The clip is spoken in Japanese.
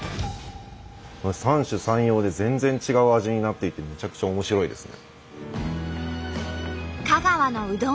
三者三様で全然違う味になっていてむちゃくちゃ面白いですね。